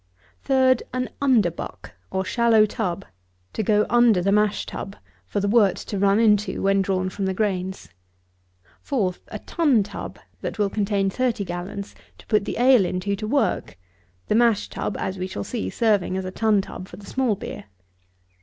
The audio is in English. THIRD, an underbuck, or shallow tub to go under the mash tub, for the wort to run into when drawn from the grains. FOURTH, a tun tub, that will contain thirty gallons, to put the ale into to work, the mash tub, as we shall see, serving as a tun tub for the small beer.